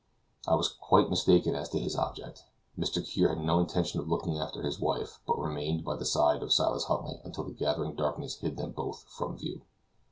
I was quite mistaken as to his object. Mr. Kear had no intention of looking after his wife, but remained by the side of Silas Huntly until the gathering darkness hid them both from view.